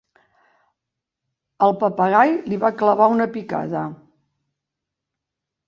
El papagai li va clavar una picada.